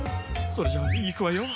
それじゃいくわよ。